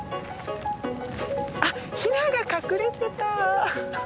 あっ雛が隠れてた。